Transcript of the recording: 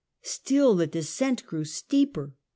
Still the descent grew steeper.